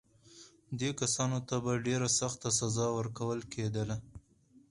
دې کسانو ته به ډېره سخته سزا ورکول کېدله.